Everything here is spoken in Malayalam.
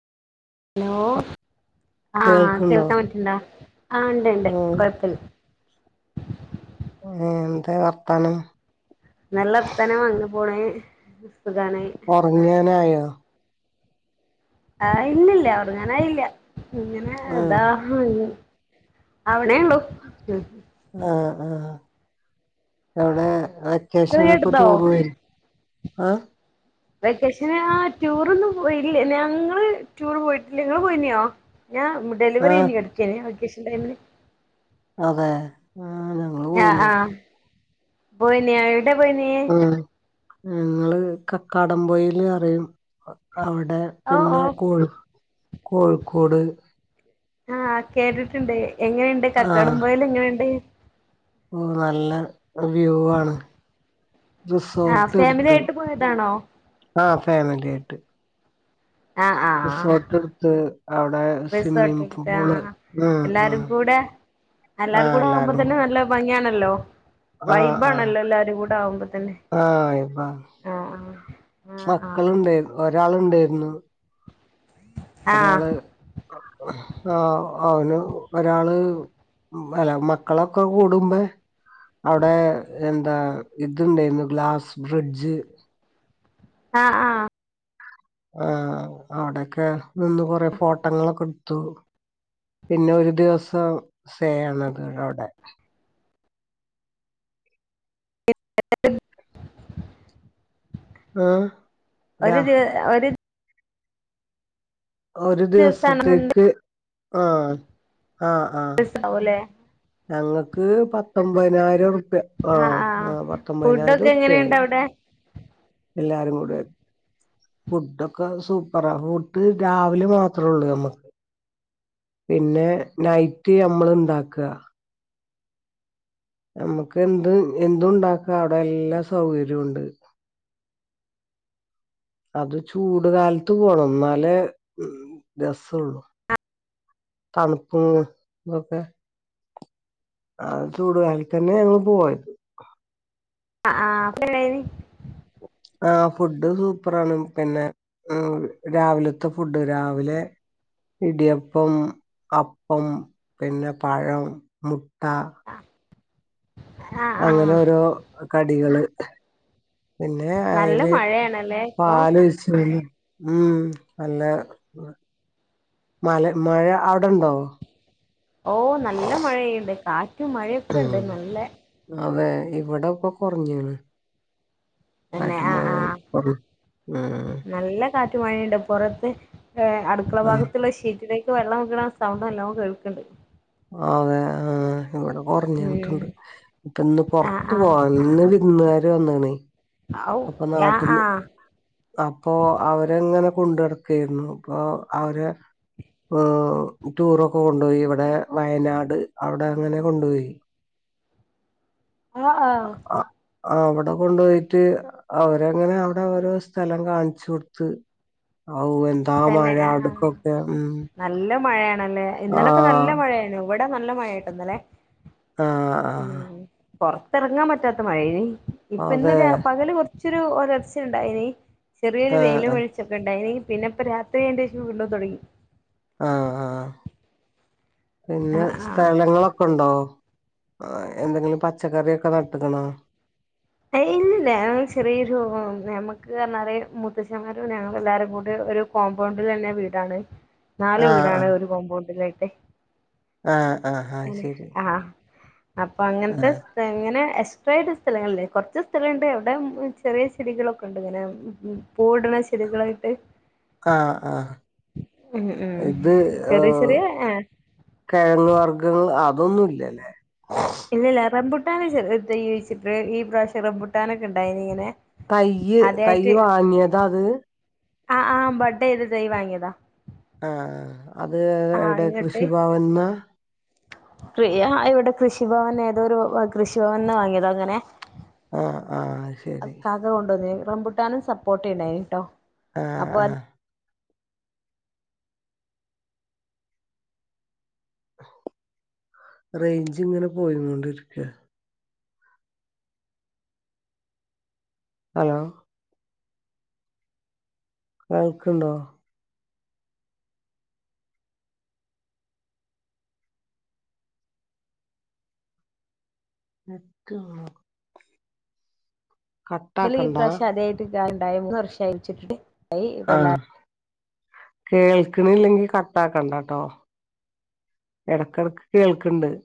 ഹലോ ആ കേൾക്കുന്നോ കേൾക്കാൻ പറ്റിണ്ടോ ആ ഇണ്ട് ഇണ്ട് ആഹ് കുഴപ്പല്ല എന്താ വർത്താനം നല്ല വർത്താനം അങ്ങനെ പോണേ ഉറങ്ങാന് ആയോ ആഹ് ഇല്ലില്ല ഒറങ്ങാൻ ആയില്ല ഇങ്ങനെ ആഹ് താ [unintelligible] അവിണെള്ളൂ ആഹ് ആഹ് യൊവ്ടെ ലോയെട്ത്തോ ആഹ് വെക്കേഷന് ആ റ്റൂറോന്നും പോയില്ല ഞങ്ങള് റ്റൂറ് പോയിട്ടില്ല ങ്ങള് പോയിന്നോ ഞാൻ ആഹ് ഡെലിവറിയ്ഞ്ഞ് കേട്കേനി വൊക്കേഷൻ ടൈമില് അതെ ആഹ് ഞങ്ങള് ആഹ് പോയിരുന്നു ആഹ് പോയിനി ഏടെ പോയിനേ ഞങ്ങള് കക്കാടംപൊയില് റിയും അവിടെ ഓഹ് പിന്നെ ഓഹ് കോഴ കോഴിക്കോട് ആഹ് കേട്ടിട്ട്ണ്ട് എങ്ങനെണ്ട് കക്കാടം പോയിലങ്ങനെണ്ട് ഓ നല്ല വ്യൂ ആണ് ആഹ് റിസോർട്ട് ഫാമിലി ട്ത്ത് ആയിട്ട് പോയതാണോ ആ ഫേമിലി ആയിട്ട് ആഹ് ആഹ് റിസോർട്ട് എടുത്ത് അവിടെ സ്വിമ്മിംഗ് റിസോർട്ട്ട്ത്താ പൂള് ഉം ഉം എല്ലാരും കൂടെ എല്ലാരും കൂടെ ആവുമ്പോ തന്നെ നല്ല ഭംഗിയാണല്ലോ ആഹ് ആഹ് വൈബാണല്ലോ എല്ലാരും കൂടെ ആവുമ്പോ തന്നെ ആഹ് ബാ ആഹ് ആഹ് ആഹ് മക്കളുണ്ടേ ഒരാളുണ്ടേര്ന്നു ആഹ് ഒരാള് ആഹ് അവന് ഒരാള് അല്ല മക്കളൊക്കെ കൂടുബെ അടെ എന്താ ഇത്ണ്ടേര്ന്നു ഗ്ലാസ് ബ്രിഡ്ജ് ആഹ് ആഹ് ആ ആടെക്കെ നിന്ന് കൊറേ ഫോട്ടങ്ങളൊക്കെ ത്തു പിന്നെ ഒരു ദിവസം സേ ആണത് അവ്ടെ ആഹ് ഒര് രാ ഒര് ദിവ ഒര് ഒരു ദിവസാണെന്നുണ്ടെ ദിവസത്തേക്ക് ആഹ് ആഹ് ആഹ് ഔലെ ഞങ്ങക്ക് പത്തൊമ്പതിനായിരുറ്പ്യ ആ ആഹ് ആഹ് ആ ഫുഡൊക്കെ എങ്ങനെയുണ്ട് പത്തൊമ്പതിനായിരുറ്പ്യായി അവിടെ എല്ലാരും കൂടെ ഫുഡൊക്കെ സൂപ്പറാ ഫുഡ് രാവിലെ മാത്രള്ളൂ നമ്മക്ക് പിന്നെ നൈറ്റ് ഞമ്മള് ണ്ടാക്കാ ഞമ്മക്ക് എന്ത് എന്തു ണ്ടാക്കാ അവടെ എല്ലാ സൗകര്യുണ്ട് അത് ചൂട് കാലത്ത് പോണം ന്നാലേ രസൊള്ളു തണുപ്പും തൊക്കെ ആ ചൂട് കാലതന്നെ ഞങ്ങള് പോയത് ആഹ് ആഹ് [unintelligible] ആഹ് ഫുഡ് സൂപ്പറാണ് പിന്നെ ആഹ് രാവിലത്തെ ഫുഡ് രാവിലെ ഇടിയപ്പം അപ്പം പിന്നെ പഴം മുട്ട ആഹ് ആഹ് അങ്ങനെരോ കടിയള് പിന്നെ നല്ല അയ്ല് മഴയാണല്ലേ ഇപ്പൊ പാല് ഒഴിച് മം നല്ല മല മഴ അവിടെണ്ടോ ഓ നല്ല മഴയ്യ്ണ്ട് കാറ്റും മഴയൊക്കെ ണ്ട് ഉം നല്ല അതെ ഇവിടെപ്പൊ കൊർഞ്ഞ്ണ് തെന്നെ ആഹ് ആഹ് കുറ ഉം ആഹ് നല്ല കാറ്റു മഴണ്ട് പൊറത്ത് ഹേ അടുക്കള ഭാഗത്ത്ള്ള ഷീ പിന്നെ അയ്ക്ക് വെള്ളം വിക്ണ സൗണ്ട് നല്ലോ കേൾക്ണ്ട് അതെ ആഹ് ഇവിടെ ഉം കൊറ്ഞ്ഞിട്ട്ണ്ട് ഇപ്പ ഇന്ന് ആ പൊറത്ത് ആ പോവാ ഇന്ന് വിര്ന്നാര് വന്ന്ണ് ഔ അപ്പൊ ആ ആ നാട്ടിന്ന് അപ്പൊ അവരങ്ങനെ കൊണ്ടട്ക്കായ്ന്നു അപ്പൊ അവര് ഓ ടൂറൊക്കെ കൊണ്ടോയി ഇവിടെ വയനാട് അവിടെ അങ്ങനെ കൊണ്ട്പോയി ആ ആ അ അവടെ കൊണ്ടു പോയിട്ട് അവരങ്ങനെ അവിടെ ഓരോ സ്ഥലം കാണിച്ചു കൊടുത്ത് തന്നെ മഴ ആഹ് ആഹ് അവിടക്കൊക്കെ ഉം നല്ല മഴയാണല്ലേ ഇന്നലൊക്കെ ആഹ് നല്ല മഴയാന്നു ഇവിടെ നല്ല മഴെട്ടൊന്നലെ ആഹ് ആഹ് പൊറത്തിറങ്ങാൻ പറ്റാത്ത മഴേനി ഇപ്പ ഇന്ന് അതെ പകല് കൊർച്ചൊരു ഒലർച്ചണ്ടായിനി ചെറിയൊരു ആഹ് വെയിലും ആഹ് വെളിച്ചൊക്കണ്ടായിനി പിന്നെപ്പൊ രാത്രി ആയേന്റേശം വീണ്ടും തൊടങ്ങി ആഹ ആഹ് ആ പിന്നെ ആ സ്ഥലങ്ങളൊ ഉണ്ടോ എന്തെങ്കിലും പച്ചക്കറിയൊക്കെ നട്ട്ക്ക്ണോ ഇല്ലല്ല ഞങ്ങ ചെറിയൊരു നമ്മക്ക് പർഞ്ഞാല് മുത്തച്ചന്മാരും ഞങ്ങളൾ എല്ലാരും കൂടെ ഒരു കോമ്പൗണ്ടിലെന്നെ വീടാണ് നാല് ആഹ് വീടാണ് ആഹ് ഒരു കോമ്പൗണ്ടിലായിട്ട് ആഹ് ആഹ് ആഹ് ശരി ആഹ് അപ്പൊ അങ്ങനത്തെ ആഹ് ഇങ്ങനെ എക്സ്ട്ര ആയിട്ട് സ്ഥലങ്ങളില്ലേ കൊറച്ച് സ്ഥലണ്ട് എവിടെ ചെറിയ ചെടികളൊക്കെണ്ട് ങ്ങനെ പൂവിടണെ ചെടികളായിട്ട് ആഹ് ആഹ് ഉം ഉം ഇത് ചെറിയ ആഹ് ചെറിയ ആഹ് കെഴങ്ങ് വർഗ്ഗങ്ങ് അതൊന്നുല്ലല്ലേ ഇല്ല ല്ല റമ്പുട്ടാൻ ഒരു ചെറിയ തൈ കുഴിച്ചിട്ട് ഈ പ്രാശ്യം റംബുട്ടാനൊക്കെ ഉണ്ടായിനിങ്ങനെ തയ്യ് തെയ് വാങ്ങിയതാത് ആ ആ ബഡ്ഡയത തൈ വാങ്ങിയതാ ആ അത് ആഹ് എവിടെ കൃഷിഭാവൻന്നാ കൃ ആ ഇവിടെ കൃഷിഭവൻ ഏതോരു കൃഷിഭവൻന്ന് വാങ്ങിയതാങ്ങനെ ആഹ ആഹ അയ്ശരി കൊണ്ടന്ന റംമ്പുട്ടാനും സപ്പോട്ടിംണ്ടായിനിട്ടോ ആഹ് ഹഹ റേഞ്ച് ഇങ്ങനെ പോയുംകൊണ്ടിരിക്ക അലോ കേൾക്ക്ണ്ടോ നിക്ക് ഇമ്മോ ഇവല് ഈ കട്ടാക്കണ്ട പ്രാവശ്യം ആദ്യായിട്ട് ഇടാൻ ഇണ്ടായെ മൂന്ന് വർഷായിട്ട് ഇട്ടിട്ട് ആഹ് കേൾക്ക്ണ്ല്ലെങ്കി കട്ടാക്കണ്ടട്ടോ എടക്കടക്ക് കേൾക്ക്ണ്ട്